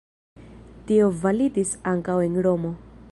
Tio validis ankaŭ en Romo.